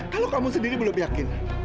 kalau kamu sendiri belum yakin